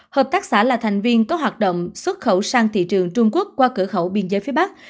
hợp tác xã là thành viên có hoạt động xuất khẩu sang thị trường trung quốc qua cửa khẩu biên giới phía bắc